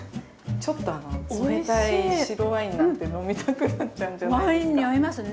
冷たい白ワインなんて飲みたくなっちゃうんじゃないですか。